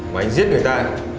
mà anh giết người ta